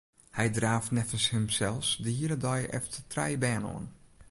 Hy draaft neffens himsels de hiele dei efter de trije bern oan.